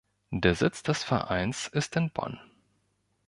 Der Sitz des Vereins ist in Bonn.